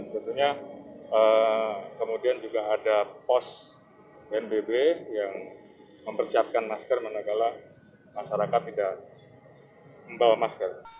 tentunya kemudian juga ada pos bnbb yang mempersiapkan masker manakala masyarakat tidak membawa masker